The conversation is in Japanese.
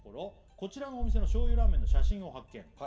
「こちらのお店の醤油ラーメンの写真を発見」